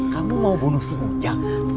kamu mau bunuh si ujang